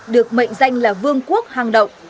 được mệnh danh là vương quốc hàng động